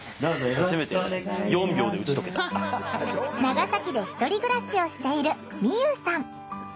長崎で１人暮らしをしているみゆうさん。